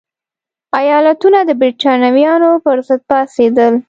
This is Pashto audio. ایالتونه د برېټانویانو پرضد پاڅېدل.